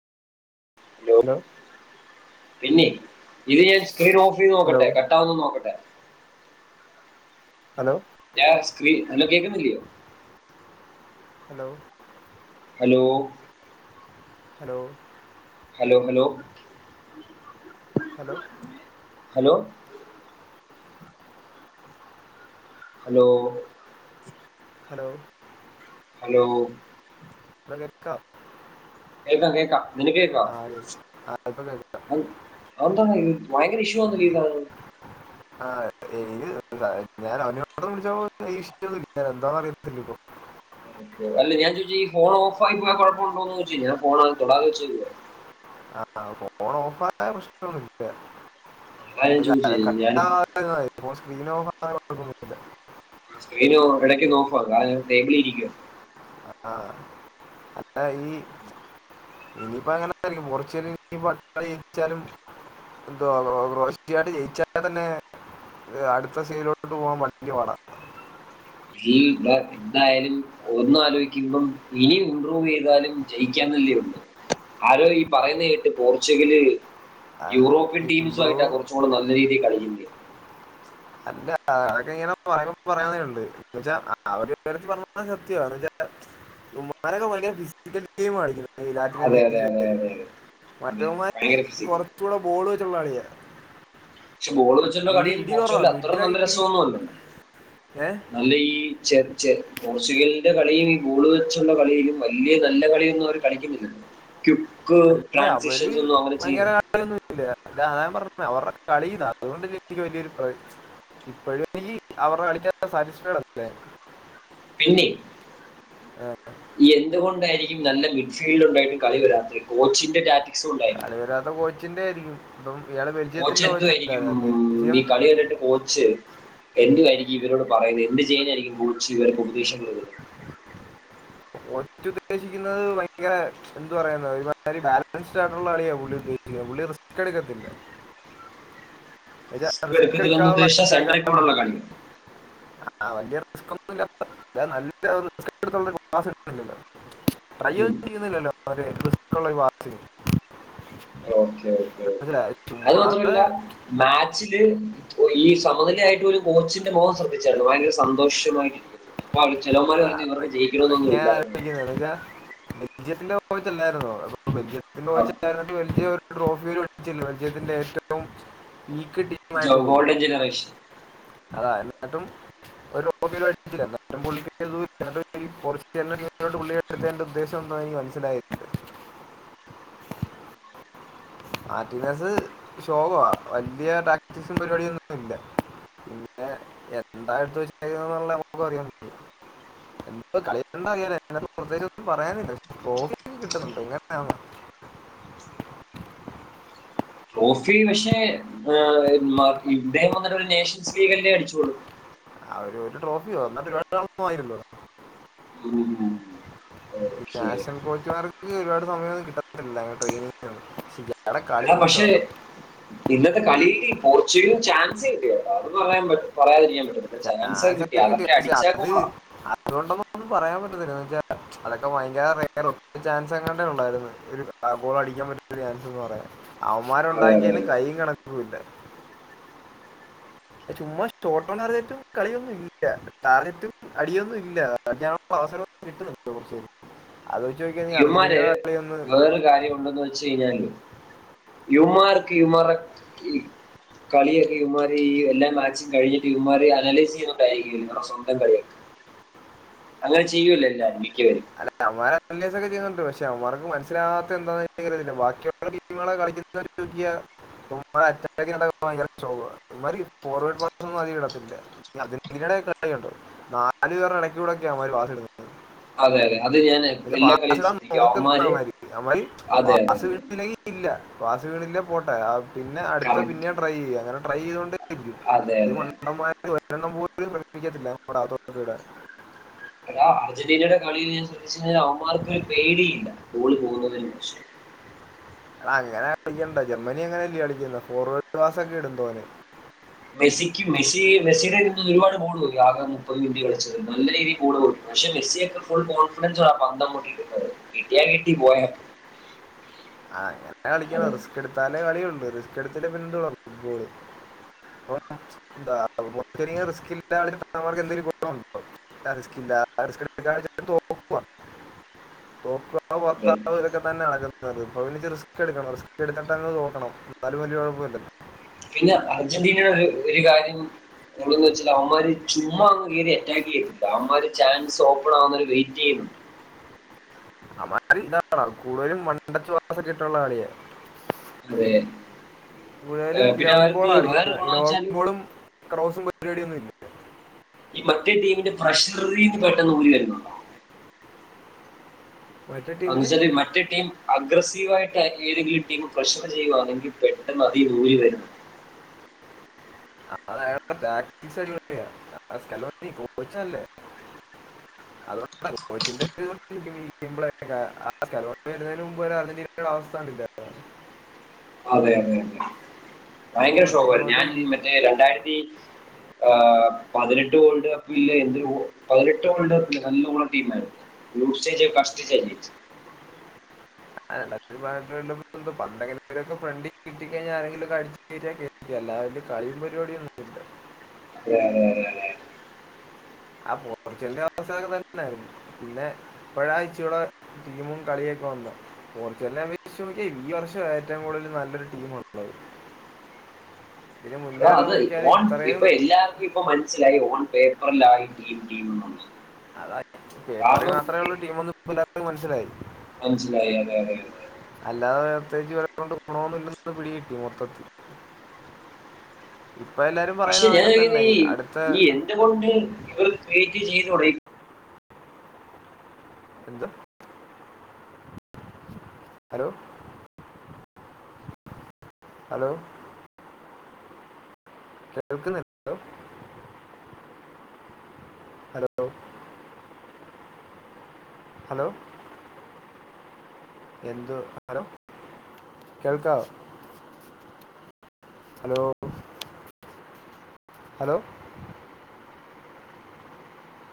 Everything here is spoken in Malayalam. ഹലോ പിന്നെ ഇത് ഞാൻ സ്ക്രീൻ ഓഫ് ചെയ്ത് ഹലോ നോക്കട്ടെ കട്ട് ട്ടോന്ന് നോക്കട്ടെ ഹലോ ഞാ സ്ക്രീ ഹലോ കേക്ക്ന്നില്ലയോ hello hello hello hello hello hello hello hello hello hello [inaudible] കേക്കാം കേക്കാം നിനക്കേക്ക്ണോ ആ ആ ഇപ്പൊ കേൾക്കാം അ അവ വയഗർ ഇഷ്യൂ അ ഇത [inaudible] അല്ല ഞാ ചോയ്ച്ചേ ഈ ഫോണോഫായി പോയ കൊഴപ്പുണ്ടോന്ന് ചോയ്ച്ചി ഞാ ഫോണ് തൊടാതെ വെച്ചേക്കുവ ആ ആ ഫോണോഫായ പ്രശനൊന്നുല്ല അതാ ഞാൻ അല്ല അത് ചോദിച്ചത് ഞാൻ കട്ടാവാ ത്ര് ന്നാമതി ഫോൺ സ്ക്രീൻ ഓഫാ [inaudible] സ്ക്രീന് എടയ്ക്ക് നോഫാ കാരണം [unintelligible] ഇരിക്കുവാ അ ആ അല്ല ഈ എനിപ്പ അങ്ങനായിരിക്കും [inaudible] എന്തോ [unintelligible] ജയിച്ച തന്നെ ത് അടുത്ത സീലോട്ട് പോവാൻ വല്യ പാടാ [unintelligible] എന്തായാലും ഒന്നാലോയ്ക്കുമ്പം ഇനിയും ഇമ്പ്രൂവ് ചെയ്താലും ജയിക്കാന്നല്ലേള്ളൂ ആരോ ഈ പറയുന്ന കേട്ട് പോർച്ചുഗല് യൂറോപ്യൻ ഇംപ്രൂവ് ടീംസായിട്ട കൊർച്ചൂടെ നല്ല രീതില് കളിക്ക്ന്നെ അല്ല അതൊക്കെങ്ങനെ [unintelligible] ന്ന് വെച്ചാ [inaudible] ഇവന്മാരൊക്കെ ഭയങ്കര ഫിസിക്കൽ ഗെയിമാ കളിക്കണെ ലാറ്റിൻ അതെ അതെ അമേരിക്ക അതെ അതെ [unintelligible] അതെ മറ്റവന്മാര് ഭയങ്കര ഫിസിക്കൽ കൊർച്ചൂടെ ബോള് വെച്ചുള്ള കളിയാ പക്ഷെ ബോള് വെച്ചുള്ള ഇടി കളിയും ഇടി കുറവാ പോർച്ചുഗൽ അത്ര മിഡിലൊക്കെ നല്ല ഇടി രസൊന്നല്ല ഏ അല്ല ഈ ചെ ചെ പോർച്ചുഗലിന്റെ കളിയും ഈ ബോള് വെച്ചുള്ള കളിയിലും വല്യ നല്ല കളിയൊന്നവര് കളിക്കുന്നില്ല ക്വിക്ക് ട്രാൻസിഷനൊന്നും അങ്ങനെ ചെയ്യുന്നില്ല [unintelligible] ഇപ്പോഴങ്കി [unintelligible] സാറ്റിസ്ഫൈഡല്ലേ പിന്നെ എന്ത് കൊണ്ടായിരിക്കും നല്ല മിക്സൈലുണ്ടായിട്ടും കളി വെരാത്തെ കോച്ചിന്റെ [unintelligible] കളി വെരാത്തെ കോച്ചിന്റായിരിക്കും തും വേറെ [unintelligible] കോച്ചെന്തുവായിരിക്കും ഈ കളി കണ്ട്ട്ട് കോച്ച് എന്തുവായിരിക്കും ഇവരോട് പറയുന്നെ എന്ത് ചെയ്യാനായിരിക്കും കോച്ച്വർക്ക് ഉപദേശം കൊടുക്ക്‌ന്നെ കോച്ചുദ്ദേശിക്കുന്നത് ഭയങ്കരെ എന്ത് പറയാന ബാലൻസ്ഡായിട്ടുള്ള കളിയാ പുള്ളി ഉദ്ദേശിക്കുന്ന് പുള്ളി റിസ്ക് എടുക്കത്തില്ല റിസ്ക് എടുക്കത്തില്ലെന്ന് ഉദ്ദേശിച്ച സെന്ററിൽ കൂടെയുള്ള കളിയാണ് [inaudible] [inaudible] [unintelligible] ഓക്കെ ഓക്കെ ഓക്കെ മനസ്സിലായി അത് ചുമ്മാതെ മാത്രല്ല മാച്ചില് ഓ ഈ സമനിലയായിട്ട് ഒരു കോച്ചിന്റെ മുഖം ശ്രദ്ധിച്ചായിരുന്നോ ഭയങ്കര സന്തോഷമായിരിക്കും അപ്പൊ അവ ചിലന്മാർ ആ, ഇവർക്ക് അതൊക്കെ ജയിക്കണമന്നൊന്നും ഇല്ലാന്ന് [unintelligible] ബെൽജിയത്തിന്റെ [unintelligible] അല്ലായിരുന്നോ ബെൽജിയത്തിന്റെ [unintelligible] ബെൽജിയം ഒരു ട്രോഫി വരെ [unintelligible] ബെൽജിയത്തിന്റെ ഏറ്റവും [unintelligible] ടീമായിട്ട് ജോ- പോയി ഗോൾഡൻ ജനറേഷൻ അതാ എന്നിട്ടും ഒരു [inaudible] [inaudible] ഉദ്ദേശം എന്റായി മനസ്സിലായില്ല [unintelligible] ശോകവാ വലിയ പ്രാക്ടീസും പരിപാടിയും ഒന്നും ഇല്ല പിന്നെ എന്തായിടുത്ത [unintelligible] നമ്മക് പറയാൻ പറ്റോ ഇപ്പോ കളി കണ്ടാ അങ്ങനെ പ്രത്യേകിച്ചൊന്നും പറയാനില്ലല്ലോ [unintelligible] കിട്ടുന്നുണ്ടോ ഇങ്ങനെയാണോ ട്രോഫി പക്ഷേ ഇദ്ദേഹം വന്നിട്ട് ഒരു നേഷൻസ് ലീഗല്ലേ അടിച്ചോളൂ ആ ഒരു ഒരു ട്രോഫി എന്നിട്ട് ഇവ രണ്ടാളും പോയിരുന്നോ ഓക്കെ നാഷണൽ കോച്ച്മാർക്ക് ഒരുപാട് സമയമൊന്നും കിട്ടത്തില്ല ട്രെയിനി എടാ പക്ഷേ ഇന്നത്തെ കളിയിൽ പോർച്ചുഗലിന് ചാൻസ് കിട്ടിയോ അത് പറയാൻ പറയാതിരിക്കാൻ പറ്റില്ല ചാൻസക്കെ ചാൻസ് കിട്ടി ഒക്കെ അതൊക്കെ പക്ഷെ അത് അടിച്ചാകുമോ അതുകൊണ്ടൊന്നും പറയാൻ പറ്റത്തില്ലന്ന് വെച്ചാ അതൊക്കെ ഭയങ്കര റയർ ചാൻസ് അങ്ങാട്ടെ ഉണ്ടായിരുന്നു ഒരു ഗോൾ അടിക്കാൻ വേണ്ടീട്ട് ഒരു ചാൻസ്ന്ന് പറയാൻ അവന്മാര് ഉണ്ടാക്കിയേന് കൈയ്യും കണക്കും ഇല്ല ചുമ്മാ ചഷോട്ടോണററ്റും കളിയൊന്നും ഇല്ല ടാർഗറ്റും അടിയൊന്നും ഇല്ല ഇപ്പം അവസരം കിട്ടുന്നു കുറ ആലോചിച്ച് നോക്കിയെ നീ അർജന്റീനന്റെ കളി ഒന്ന് ഒരു കാര്യമുണ്ടന്ന് വെച്ച് കഴിഞ്ഞാല് ഇവന്മാർക്ക് ഇവന്മാരെ കളി കളിയൊക്കെ ഇവന്മാർ ഈ എല്ലാ മാച്ചും കഴിഞ്ഞിട്ട് ഇവന്മാർ അനലൈസ് ചെയ്യുന്നുണ്ടായിരിക്കല്ലവിടെ സ്വന്തം കളിയൊക്കെ [unintelligible] അങ്ങനെ ചെയ്യൂലെ എല്ലാരും മിക്കവരും അല്ലെ അവന്മാര് അനലൈസൊക്കെ ചെയ്യുന്നുണ്ട് പക്ഷെ അവന്മാർക്ക് മനസ്സിലാവാത്ത എന്താ ബാക്കിയീറ്റിങ്ങള കളിക്കുന്ന് [unintelligible] [unintelligible] അർജന്റീനയുടെ കളി കണ്ടോ നാല് പേർ ഇടയ്ക്കൂടെ ഒക്കെയാ അവന്മാര് പാസ് ചെയ്യുന്ന് അതെ അതെ അത് ഞാന്. അവര് മാക്സിമം നോക്കുന്നുഉണ്ടായിരിക്കും യമാലി അതെ അതെ അതെ [unintelligible] ഇല്ല വാസ് വീണില്ല പോട്ടെ പിന്നെ അടുത്ത കറക്റ്റ് പിന്നെയ ട്രൈ ചെയ്യ അങ്ങനെ ട്രൈ ചെയ്ത കൊണ്ട്. അതെ അതെ [unintelligible] ടാ അർജന്റീനയുടെ കളി ഞാൻ ശ്രദ്ധിച്ച അര്ജന്റീന കളി അവമാർക്ക് ഒരു പേടി ഇല്ല ഗോൾ പോകുന്നതിനെ കുറിച്ച്. ആ അങ്ങനെ കളിക്കണ്ട ജർമ്മനി അങ്ങനെല്ലേ കളിക്കുന്ന ഫോർവേഡ്ക്ലാസ്ക്കെ ഇട്ണ്ട് ഒന് മെസ്സിക് മെസി മെസ്സീ ഇരുന്ന് ഒരുപാട് ഗോൾ പോയി ആകെ മുപ്പത് മിനിറ്റ് കളിച്ചത് നല്ല രീതിയിൽ ഗോൾ പോയി. പക്ഷെ മെസ്സിയൊക്കെ ഫുൾ കോൺഫിഡൻസ ആ ആ പന്ത് അങ്ങോട്ട് ഇടുന്നത് കിട്ടിയാ കിട്ടി പോയ പോയി. ആങ്ങനെ കളിക്കണം അത് റിസ്ക് എടുത്താലേ കളിയള്ള് റിസ്ക് എടുത്തിട്ടില്ലെ പിന്നെ എന്തതു ഫുട്ബോള്. [unintelligible] റിസ്കില്ല റിസ്കില്ല റിസ്കിടറ്റക്കാണെങ്കി തോൽക്കോ അതെ. [unintelligible] [unintelligible] അപ്പോൾ എനിക്ക് റിസ്ക് എടുക്കണം റിസ്ക് എടുത്തിട്ട്ങ് തോക്കണം എന്നാലും വലിയ കുഴപ്പമില്ല. പിന്നെ അർജന്റീന ഒരു ഒരു കാര്യം സ്കൂളന്ന് വച്ചാൽ അവന്മാര് ചുമ്മാന്ന് കയറി അറ്റാക്ക് ചെയ്തിട്ടണ്ട് അവമാര് ചാൻസ് ഓപ്പൺ ആവുന്നവര് വെയിറ്റ് ചെയും അമാര് ഇതാണ കൂടുതലും മണ്ടച്ചുവാസക്ക ഇട്ടുള്ള ആളിയെ. അതെ മുഴലും ഏഹ് പിന്നെ ഗ്രൗണ്ട് ബോൾ അവർക്ക് ആണ വേറെ ഗുണം വെച്ചാൽ ഗൗബോളും. ക്രോസും പരിപാടിയന്നുംമില്ല. ഈ മറ്റേ ടീമിന്റെ പ്രഷറിന്ന് പെട്ടെന്ന്ലി വരുന്നുണ്ടോ. മറ്റേ ടീമിന് [unintelligible] മറ്റേ ടീം അഗ്രസീവ് ആയിട്ട് ഏതെങ്കിലും ടീം പ്രഷർ ചെയ്യുവാണെങ്കിൽ പെട്ടെന്ന് അതിന് ഉരി വരും അത്‌ അയാൾടെ [inaudible] അടിപൊളിയാ [inaudible] അതുകൊണ്ടാ ചോദിച്ചിട്ട് ഒന്നും തിരിഞ്ഞില്ല സിംപിൾ ആയിട്ടേ [inaudible] അർജുന്റിന ടെ അവസ്ഥ കണ്ടില്ലാരുന്നോ? അതെ അതെ അതെ ഭയങ്കര അങ്ങോട്ടും ശോകമാരുന്നു ഇങ്ങോട്ടും ഞാൻ ഈ ഇടിക്കും മറ്റേ രണ്ടായിരത്തി ആഹ് പതിനെട്ട് വേൾഡ് കപ്പില്ലേ എന്തൊരു ഓ പതിനെട്ട് വേൾഡ് കപ്പിൽ നല്ല ഓൾഡ് ടീം ആരുന്നു. യുസേജ് ഫസ്റ്റ് [unintelligible] [inaudible] കിട്ടി കഴിഞ്ഞാൽ ആരെങ്കിലുമൊക്കെ അടിച്ച് [inaudible] അല്ലാതെ കളിയും പരിപാടിയും ഉണ്ട് രാരാ രാരാ ആ പോർച്ചുഗലിന്റെ അവസ്ഥ ഇതൊക്കെ തന്നെയായിരുന്നു. പിന്നെ ഇപ്പോഴാ ഇച്ചിരുടെ ടീമും കളിയൊക്കെ വന്നേ പോർച്ചുഗലിനെ അപേക്ഷിച്ചു നോക്കിയാൽ ഈ വർഷമാ ഏറ്റവും കൂടുതൽ നല്ലൊരു ടീം ഉള്ളത്. ആഹ് അത് പോൺ ഇപ്പൊ എല്ലാ ഇപ്പോ മനസ്സിലായി ഓൺ പേപ്പറിലായി ടീം ടീമെന്നുള്ളത് അതാ പേപ്പറിൽ മാത്രമേള്ളൂ ടീമെന്നു ഇപ്പം എല്ലാർക്കും മനസ്സിലായി. മനസ്സിലായി അതെ അതെ അല്ലാതെ പ്രത്യേകിച്ച് ഇവരെക്കൊണ്ട് ഗുണമൊന്നുമില്ലന്ന് പിടി കിട്ടി മൊത്തത്തില് ഇപ്പം എല്ലാരും പക്ഷെ പറയുന്നത് ഞാൻ അതൊക്കെ തന്നെ ആലോചിക്കുന്നേ ഈ അടുത്ത ഈ എന്തുകൊണ്ട് ഇവർ ക്രിയേറ്റ് ചെയ്ത് തുട എന്താ ഹലോ ഹലോ കേൾക്കുന്നുണ്ടോ? ഹലോ ഹലോ എന്തുവാ പണ്ടാരം കേൾക്കാവോ? Hello hello